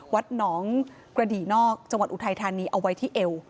วัดหนองกระดี่นอกจังหวัดอุทัยธานีเอาไว้ที่เอว